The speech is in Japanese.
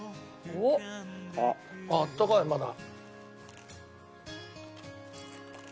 あっあったかいまだ。